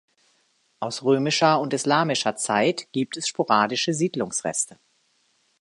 Aus römischer und islamischer Zeit gibt es sporadische Siedlungsreste.